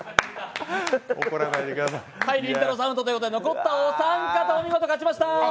りんたろーさんアウトということで残ったお三方、勝ちました。